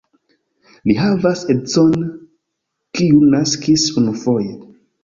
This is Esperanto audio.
Li havas edzinon kiu naskis unufoje.